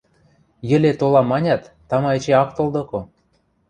Йӹле толам манят, тама эче ак тол доко.